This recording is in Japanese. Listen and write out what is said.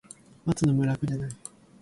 待つのも楽じゃない